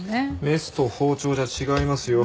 メスと包丁じゃ違いますよ。